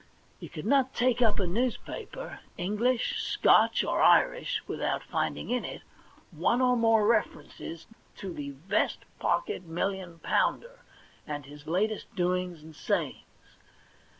You could not take up a newspaper, English, Scotch, or Irish, without finding in it one or more THE £1,000,000 BANK NOTE 17 references to the ' vest pocket million pounder ' and his latest doings and sayings.